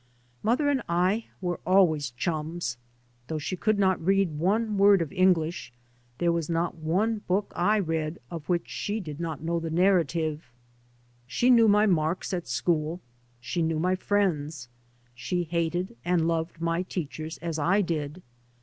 Mother and I were always chums. Though she could not read one word of Eng lish there was not one book I read of which she did not know the narrative. She knew my " marks " at school. She knew my friends'. She hated and loved my teachers as I did.